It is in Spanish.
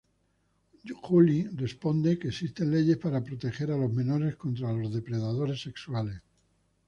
Julie responde que existen leyes para proteger a los menores contra los depredadores sexuales.